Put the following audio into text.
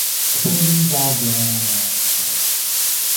Twins are rare.